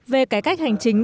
về cái cách hành chính